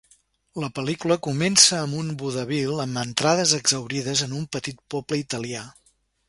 La pel·lícula comença amb un vodevil amb entrades exhaurides en un petit poble italià.